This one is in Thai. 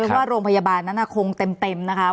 ว่าโรงพยาบาลนั้นคงเต็มนะคะ